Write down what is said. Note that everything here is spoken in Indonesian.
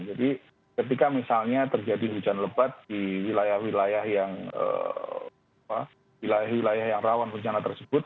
jadi ketika misalnya terjadi hujan lebat di wilayah wilayah yang rawan bencana tersebut